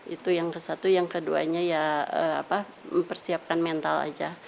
itu yang ke satu yang keduanya ya mempersiapkan mental aja